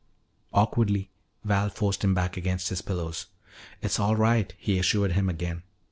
Awkwardly Val forced him back against his pillows. "It's all right," he assured him again.